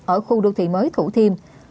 ở khu đô thị mới thủ thiêm